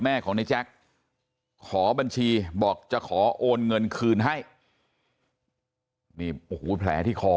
ของในแจ๊คขอบัญชีบอกจะขอโอนเงินคืนให้นี่โอ้โหแผลที่คอ